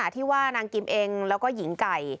ที่ว่านางกิมเองแล้วก็หญิงไก่